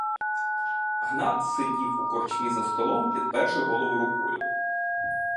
Гнат сидів у корчмі за столом, підперши голову рукою.